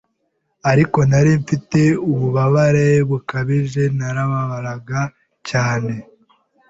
ariko nari mfite ububabare bukabije, narababaraga cyaneee,